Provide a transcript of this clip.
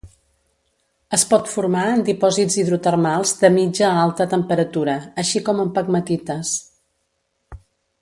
Es pot formar en dipòsits hidrotermals de mitja a alta temperatura, així com en pegmatites.